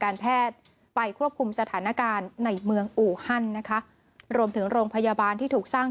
การแพทย์ไปควบคุมสถานการณ์ในเมืองอูฮันนะคะรวมถึงโรงพยาบาลที่ถูกสร้าง